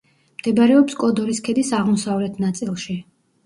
მდებარეობს კოდორის ქედის აღმოსავლეთ ნაწილში.